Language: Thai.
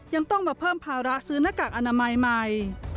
ยังต้องมาเพิ่มภาระซื้อหน้ากากอนามัยใหม่